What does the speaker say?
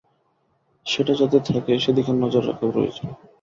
সেটা যাতে থাকে সেদিকে নজর রাখা প্রয়োজন।